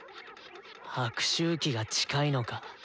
悪周期が近いのか。